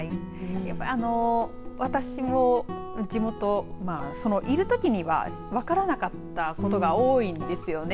あの、私も地元、まあそのいるときには分からなかったことが多いんですよね。